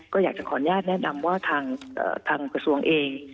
ก็อยากจะขออนุญาตแนะนำว่าทางกระทรวงเอง